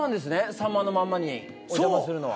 「さんまのまんま」にお邪魔するのは。